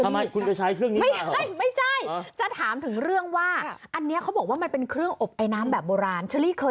ไม่ใช่จะถามถึงเรื่องว่าอันเนี้ยเขาบอกว่ามันเป็นเครื่องอบไอน้ำแบบโบราณ